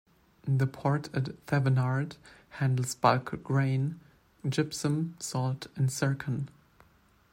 The port at Thevenard, handles bulk grain, gypsum, salt and zircon.